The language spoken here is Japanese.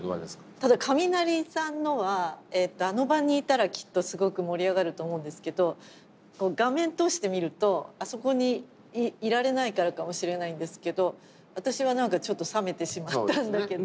ただカミナリさんのはあの場にいたらきっとすごく盛り上がると思うんですけど画面通して見るとあそこにいられないからかもしれないんですけど私は何かちょっと冷めてしまったんだけど。